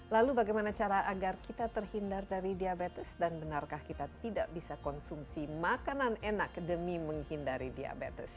lalu bagaimana cara agar kita terhindar dari diabetes dan benarkah kita tidak bisa konsumsi makanan enak demi menghindari diabetes